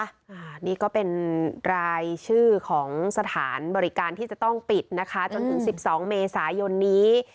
อันนี้ก็เป็นรายชื่อของสถานบริการที่จะต้องปิดนะคะจนถึงสิบสองเมษายนนี้